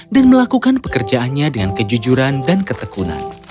melakukan pekerjaannya dengan kejujuran dan ketekunan